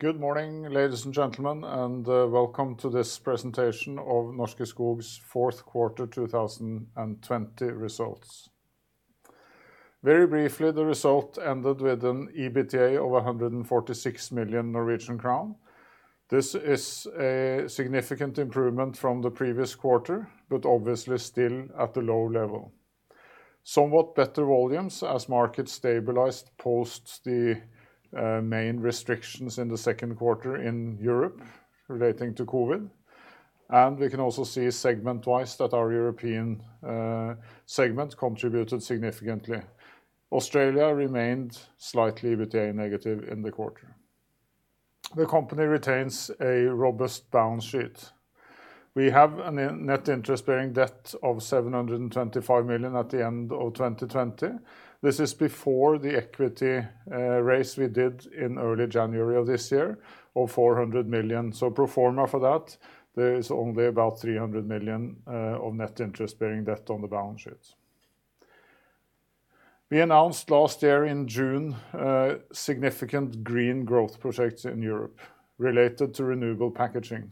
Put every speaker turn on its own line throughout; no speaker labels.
Good morning, ladies and gentlemen, and welcome to this presentation of Norske Skog's fourth quarter 2020 results. Very briefly, the result ended with an EBITDA of 146 million Norwegian crown. This is a significant improvement from the previous quarter, but obviously still at a low level. Somewhat better volumes as markets stabilized post the main restrictions in the second quarter in Europe relating to COVID, and we can also see segment-wise that our European segment contributed significantly. Australia remained slightly EBITDA negative in the quarter. The company retains a robust balance sheet. We have a net interest-bearing debt of 725 million at the end of 2020. This is before the equity raise we did in early January of this year of 400 million. Pro forma for that, there is only about 300 million of net interest-bearing debt on the balance sheet. We announced last year in June significant green growth projects in Europe related to renewable packaging.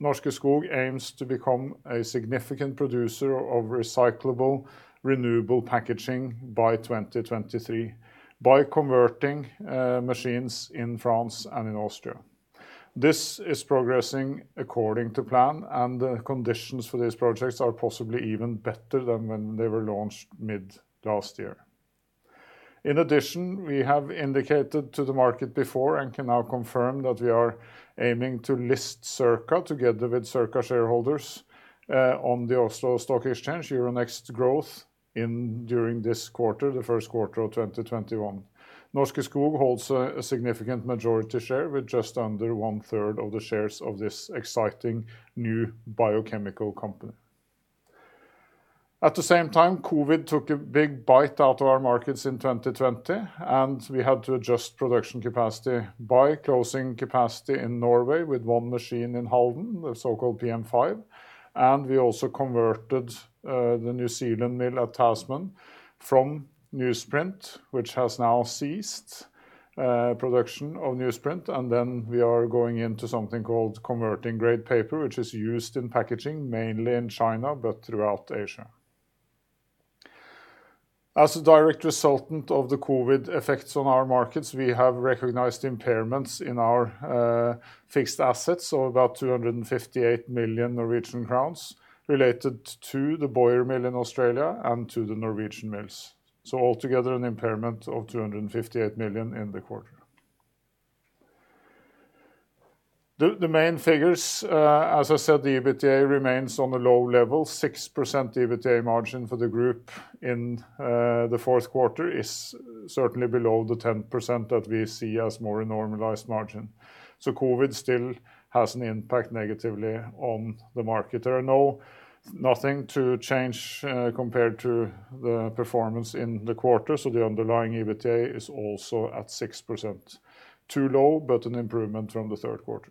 Norske Skog aims to become a significant producer of recyclable, renewable packaging by 2023 by converting machines in France and in Austria. This is progressing according to plan, and the conditions for these projects are possibly even better than when they were launched mid last year. In addition, we have indicated to the market before, and can now confirm, that we are aiming to list Circa together with Circa shareholders on the Oslo Stock Exchange, Euronext Growth during this quarter, the first quarter of 2021. Norske Skog holds a significant majority share with just under 1/3 of the shares of this exciting new biochemical company. At the same time, COVID took a big bite out of our markets in 2020. We had to adjust production capacity by closing capacity in Norway with one machine in Halden, the so-called PM5. We also converted the New Zealand mill at Tasman from newsprint, which has now ceased production of newsprint. We are going into something called converting grade paper, which is used in packaging, mainly in China, but throughout Asia. As a direct resultant of the COVID effects on our markets, we have recognized impairments in our fixed assets of about 258 million Norwegian crowns related to the Boyer mill in Australia and to the Norwegian mills. Altogether, an impairment of 258 million in the quarter. The main figures, as I said, the EBITDA remains on a low level, 6% EBITDA margin for the group in the fourth quarter is certainly below the 10% that we see as more a normalized margin. COVID still has an impact negatively on the market. There are nothing to change compared to the performance in the quarter, so the underlying EBITDA is also at 6%. Too low, but an improvement from the third quarter.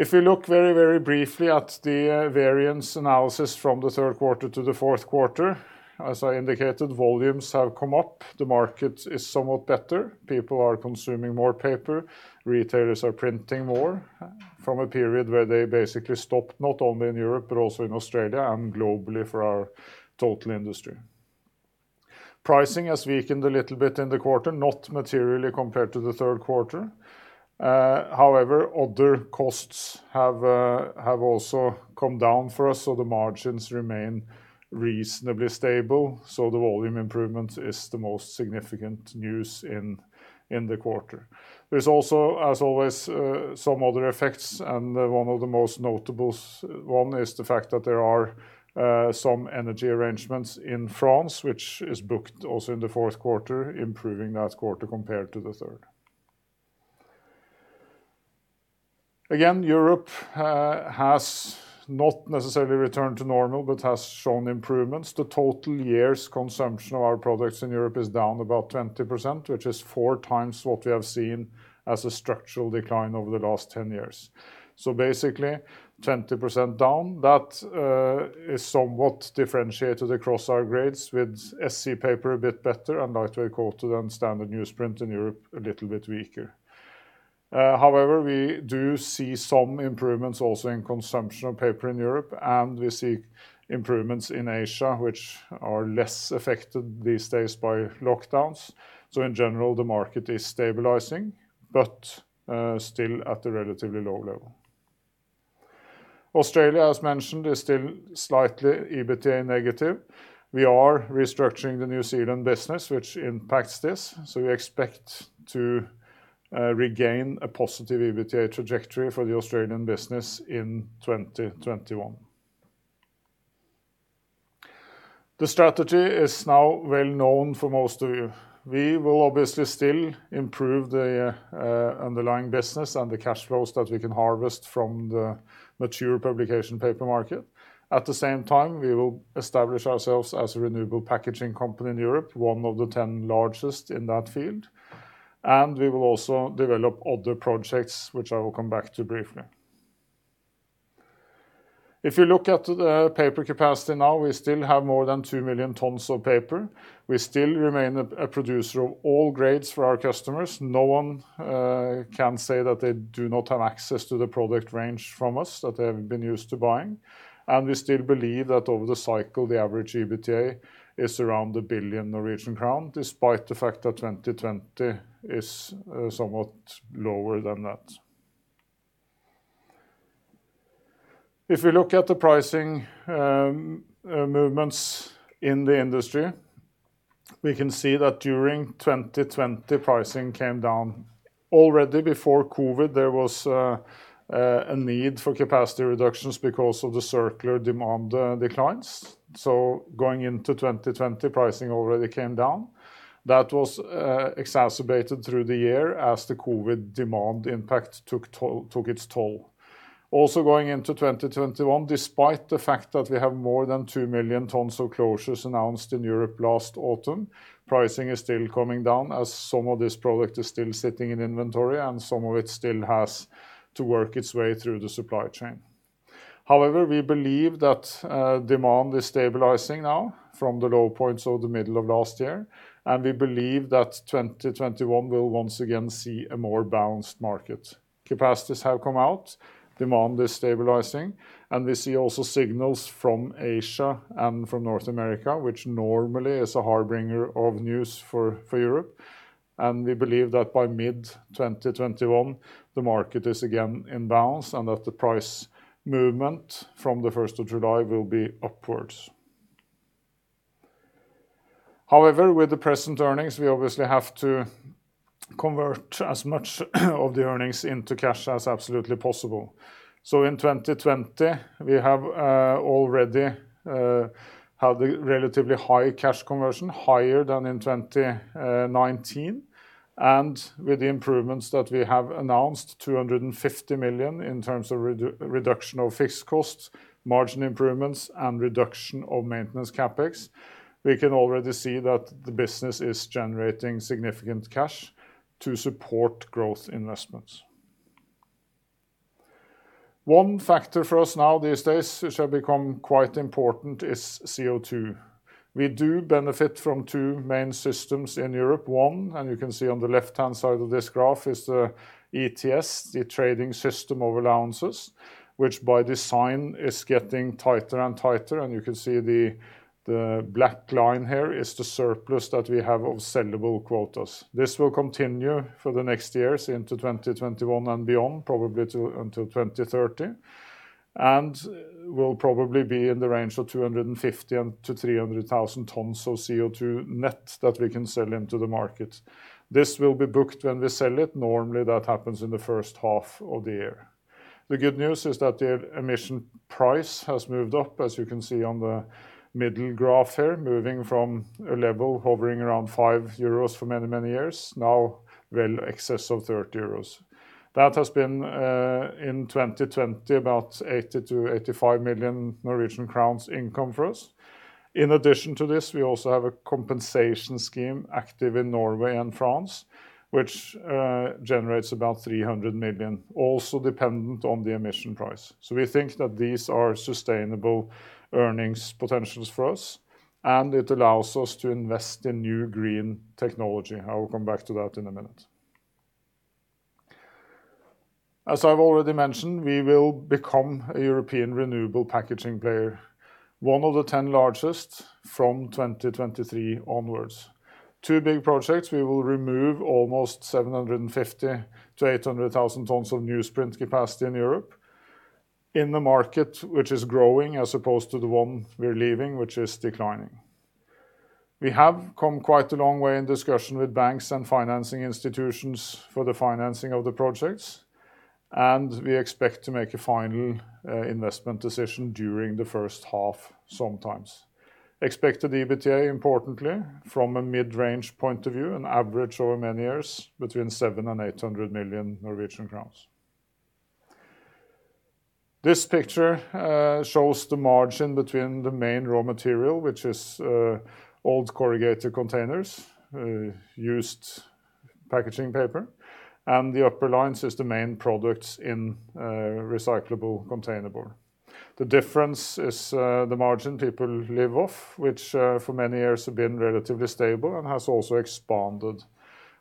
If we look very briefly at the variance analysis from the third quarter to the fourth quarter, as I indicated, volumes have come up. The market is somewhat better. People are consuming more paper. Retailers are printing more from a period where they basically stopped, not only in Europe, but also in Australia and globally for our total industry. Pricing has weakened a little bit in the quarter, not materially compared to the third quarter. However, other costs have also come down for us, the margins remain reasonably stable. The volume improvement is the most significant news in the quarter. There's also, as always, some other effects, and one of the most notable one is the fact that there are some energy arrangements in France, which is booked also in the fourth quarter, improving that quarter compared to the third. Europe has not necessarily returned to normal, but has shown improvements. The total year's consumption of our products in Europe is down about 20%, which is 4x what we have seen as a structural decline over the last 10 years. Basically, 20% down. That is somewhat differentiated across our grades with SC paper a bit better and lightweight coated and standard newsprint in Europe a little bit weaker. We do see some improvements also in consumption of paper in Europe, and we see improvements in Asia, which are less affected these days by lockdowns. In general, the market is stabilizing, but still at a relatively low level. Australia, as mentioned, is still slightly EBITDA negative. We are restructuring the New Zealand business, which impacts this. We expect to regain a positive EBITDA trajectory for the Australian business in 2021. The strategy is now well known for most of you. We will obviously still improve the underlying business and the cash flows that we can harvest from the mature publication paper market. At the same time, we will establish ourselves as a renewable packaging company in Europe, one of the 10 largest in that field. We will also develop other projects, which I will come back to briefly. If you look at the paper capacity now, we still have more than 2 million tons of paper. We still remain a producer of all grades for our customers. No one can say that they do not have access to the product range from us that they have been used to buying. We still believe that over the cycle, the average EBITDA is around 1 billion Norwegian crown, despite the fact that 2020 is somewhat lower than that. If we look at the pricing movements in the industry, we can see that during 2020, pricing came down. Already before COVID, there was a need for capacity reductions because of the secular demand declines. Going into 2020, pricing already came down. That was exacerbated through the year as the COVID demand impact took its toll. Also going into 2021, despite the fact that we have more than 2 million tons of closures announced in Europe last autumn, pricing is still coming down as some of this product is still sitting in inventory and some of it still has to work its way through the supply chain. However, we believe that demand is stabilizing now from the low points of the middle of last year, and we believe that 2021 will once again see a more balanced market. Capacities have come out, demand is stabilizing, and we see also signals from Asia and from North America, which normally is a harbinger of news for Europe. We believe that by mid-2021, the market is again in balance and that the price movement from the 1st of July will be upwards. However, with the present earnings, we obviously have to convert as much of the earnings into cash as absolutely possible. In 2020, we have already had a relatively high cash conversion, higher than in 2019. With the improvements that we have announced, 250 million in terms of reduction of fixed costs, margin improvements, and reduction of maintenance CapEx, we can already see that the business is generating significant cash to support growth investments. One factor for us now these days which have become quite important is CO2. We do benefit from two main systems in Europe. One, you can see on the left-hand side of this graph, is the ETS, the trading system of allowances, which by design is getting tighter and tighter. You can see the black line here is the surplus that we have of sellable quotas. This will continue for the next years into 2021 and beyond, probably until 2030, and will probably be in the range of 250,000-300,000 tons of CO2 net that we can sell into the market. This will be booked when we sell it. Normally, that happens in the first half of the year. The good news is that the emission price has moved up, as you can see on the middle graph here, moving from a level hovering around 5 euros for many, many years, now well excess of 30 euros. That has been, in 2020, about 80 million-85 million Norwegian crowns income for us. In addition to this, we also have a compensation scheme active in Norway and France, which generates about 300 million, also dependent on the emission price. We think that these are sustainable earnings potentials for us, and it allows us to invest in new green technology. I will come back to that in a minute. As I've already mentioned, we will become a European renewable packaging player, one of the 10 largest from 2023 onwards. Two big projects, we will remove almost 750,000-800,000 tons of newsprint capacity in Europe in the market, which is growing, as opposed to the one we're leaving, which is declining. We have come quite a long way in discussion with banks and financing institutions for the financing of the projects, and we expect to make a final investment decision during the first half sometimes. Expected EBITDA, importantly, from a mid-range point of view, an average over many years, between 700 million and 800 million Norwegian crowns. This picture shows the margin between the main raw material, which is old corrugated containers, used packaging paper, and the upper lines is the main products in recyclable containerboard. The difference is the margin people live off, which for many years have been relatively stable and has also expanded.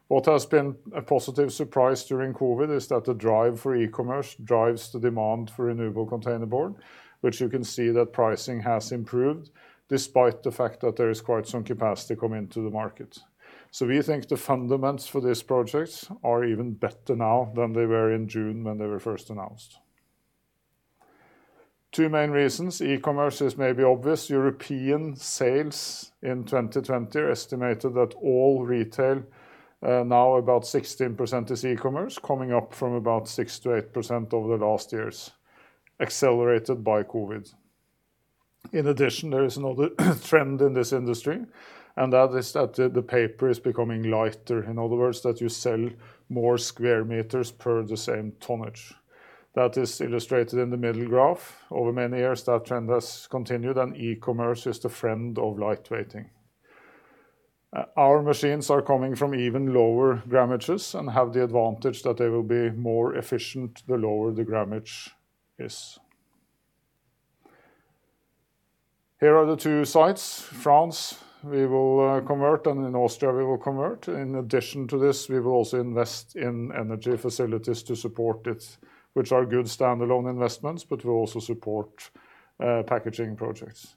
What has been a positive surprise during COVID is that the drive for e-commerce drives the demand for renewable containerboard, which you can see that pricing has improved despite the fact that there is quite some capacity coming into the market. We think the fundamentals for this project are even better now than they were in June when they were first announced. Two main reasons. E-commerce is maybe obvious. European sales in 2020 are estimated that all retail, now about 16%, is e-commerce, coming up from about 6%-8% over the last years, accelerated by COVID. In addition, there is another trend in this industry, and that is that the paper is becoming lighter. In other words, that you sell more square meters per the same tonnage. That is illustrated in the middle graph. Over many years, that trend has continued, and e-commerce is the friend of lightweighting. Our machines are coming from even lower grammages and have the advantage that they will be more efficient, the lower the grammage is. Here are the two sites. France, we will convert, and in Austria, we will convert. In addition to this, we will also invest in energy facilities to support it, which are good standalone investments, but will also support packaging projects.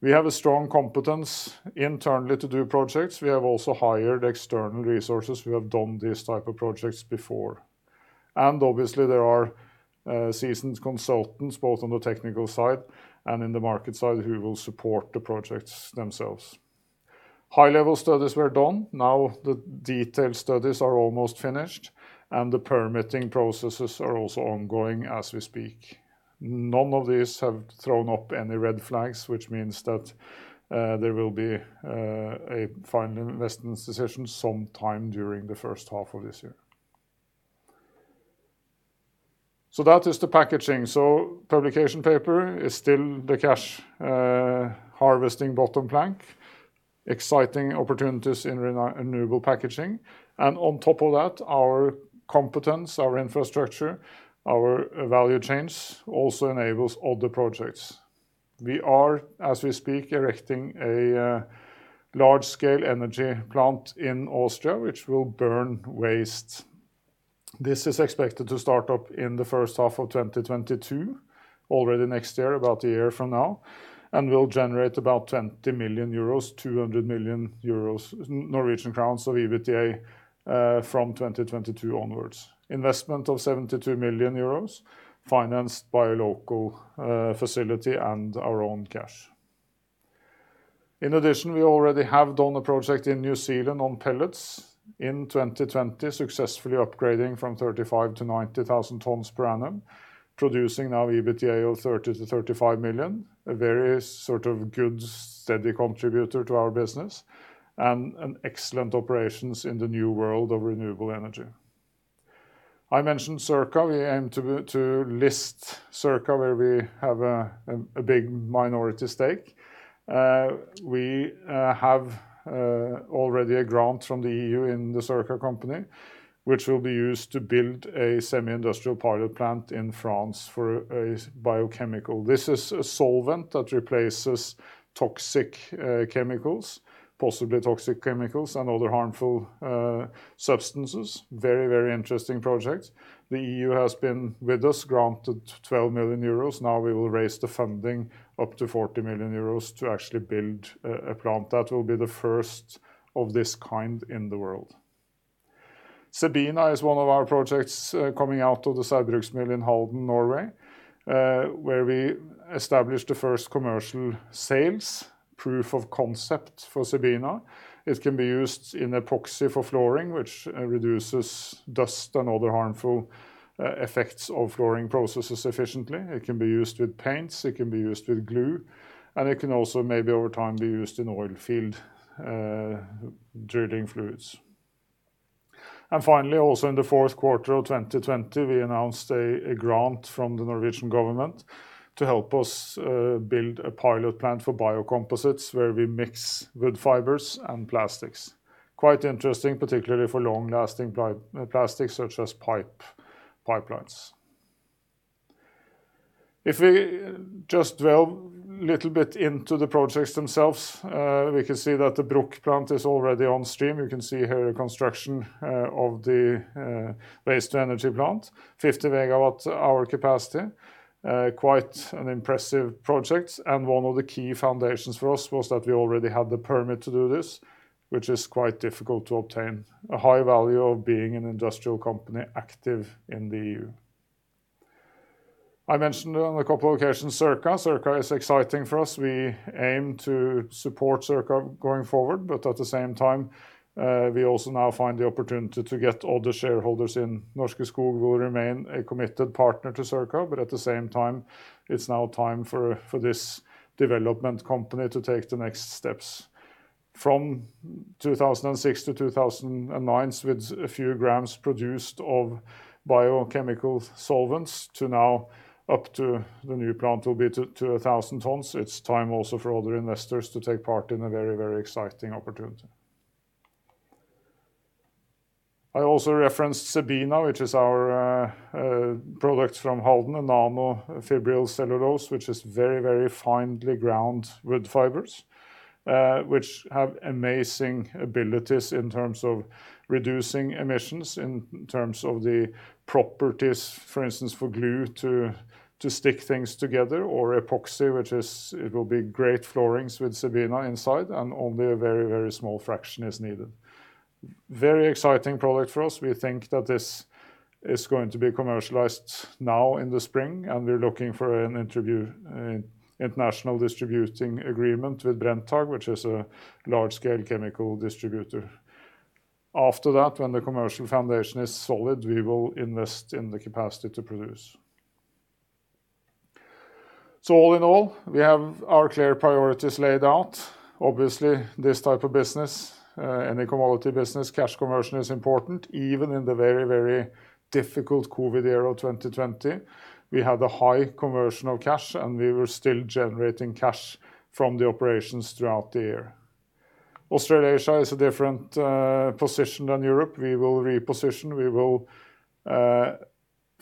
We have a strong competence internally to do projects. We have also hired external resources who have done these type of projects before. Obviously, there are seasoned consultants, both on the technical side and in the market side, who will support the projects themselves. High level studies were done. Now the detailed studies are almost finished, and the permitting processes are also ongoing as we speak. None of these have thrown up any red flags, which means that there will be a final investment decision sometime during the first half of this year. That is the packaging. publication paper is still the cash harvesting bottom plank, exciting opportunities in renewable packaging, and on top of that, our competence, our infrastructure, our value chains also enables other projects. We are, as we speak, erecting a large-scale energy plant in Austria, which will burn waste. This is expected to start up in the first half of 2022, already next year, about a year from now, and will generate about 20 million euros, NOK 200 million of EBITDA, from 2022 onwards. Investment of 72 million euros, financed by a local facility and our own cash. In addition, we already have done a project in New Zealand on pellets in 2020, successfully upgrading from 35,000 to 90,000 tons per annum, producing now EBITDA of 30 million-35 million, a very good, steady contributor to our business, and an excellent operations in the new world of renewable energy. I mentioned Circa. We aim to list Circa, where we have a big minority stake. We have already a grant from the E.U. in the Circa company, which will be used to build a semi-industrial pilot plant in France for a biochemical. This is a solvent that replaces toxic chemicals, possibly toxic chemicals, and other harmful substances. Very interesting project. The E.U. has been with us, granted 12 million euros. Now we will raise the funding up to 40 million euros to actually build a plant that will be the first of this kind in the world. CEBINA is one of our projects coming out of the Saugbrugs mill in Halden, Norway, where we established the first commercial sales proof of concept for CEBINA. It can be used in epoxy for flooring, which reduces dust and other harmful effects of flooring processes efficiently. It can be used with paints, it can be used with glue, and it can also maybe over time be used in oil field drilling fluids. Finally, also in the fourth quarter of 2020, we announced a grant from the Norwegian government to help us build a pilot plant for biocomposites, where we mix wood fibers and plastics. Quite interesting, particularly for long-lasting plastics such as pipelines. If we just delve little bit into the projects themselves, we can see that the Bruck plant is already on stream. You can see here a construction of the waste to energy plant, 50 MWh capacity. Quite an impressive project, one of the key foundations for us was that we already had the permit to do this, which is quite difficult to obtain. A high value of being an industrial company active in the E.U. I mentioned on a couple occasions, Circa. Circa is exciting for us. We aim to support Circa going forward, but at the same time, we also now find the opportunity to get other shareholders in. Norske Skog will remain a committed partner to Circa, but at the same time, it's now time for this development company to take the next steps. From 2006 to 2009, with a few grams produced of biochemical solvents, to now up to the new plant will be to 1,000 tons. It's time also for other investors to take part in a very exciting opportunity. I also referenced CEBINA, which is our product from Halden, a nanofibrillated cellulose, which is very finely ground wood fibers, which have amazing abilities in terms of reducing emissions, in terms of the properties, for instance, for glue to stick things together, or epoxy, it will be great floorings with CEBINA inside, and only a very small fraction is needed. Very exciting product for us. We think that this is going to be commercialized now in the spring. We're looking for an international distributing agreement with Brenntag, which is a large-scale chemical distributor. After that, when the commercial foundation is solid, we will invest in the capacity to produce. All in all, we have our clear priorities laid out. Obviously, this type of business, any commodity business, cash conversion is important. Even in the very difficult COVID era 2020, we had a high conversion of cash. We were still generating cash from the operations throughout the year. Australasia is a different position than Europe. We will reposition, we will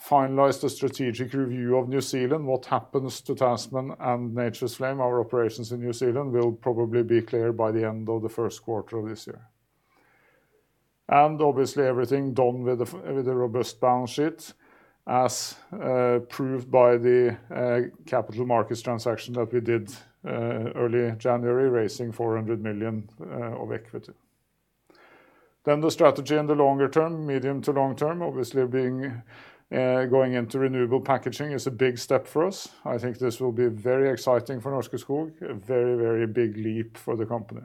finalize the strategic review of New Zealand, what happens to Tasman and Nature's Flame, our operations in New Zealand, will probably be clear by the end of the first quarter of this year. Obviously, everything done with a robust balance sheet, as proved by the capital markets transaction that we did early January, raising 400 million of equity. The strategy in the longer term, medium to long term, obviously going into renewable packaging is a big step for us. I think this will be very exciting for Norske Skog, a very big leap for the company.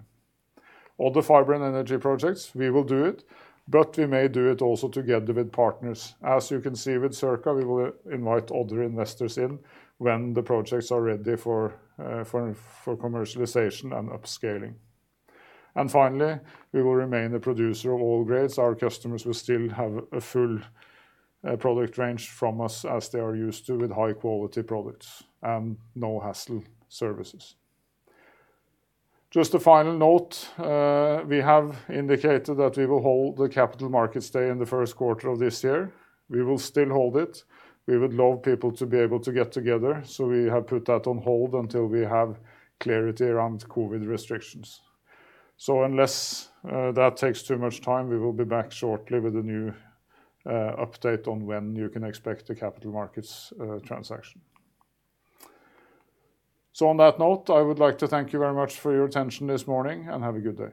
All the fiber and energy projects, we will do it, but we may do it also together with partners. As you can see with Circa, we will invite other investors in when the projects are ready for commercialization and upscaling. Finally, we will remain a producer of all grades. Our customers will still have a full product range from us as they are used to, with high quality products and no hassle services. Just a final note, we have indicated that we will hold the Capital Markets Day in the first quarter of this year. We will still hold it. We would love people to be able to get together, we have put that on hold until we have clarity around COVID restrictions. Unless that takes too much time, we will be back shortly with a new update on when you can expect the capital markets transaction. On that note, I would like to thank you very much for your attention this morning, and have a good day.